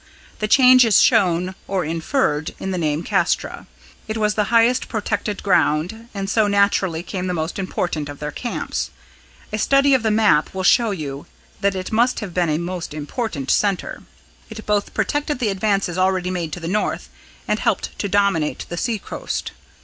The change is shown or inferred in the name Castra. It was the highest protected ground, and so naturally became the most important of their camps. A study of the map will show you that it must have been a most important centre. It both protected the advances already made to the north, and helped to dominate the sea coast.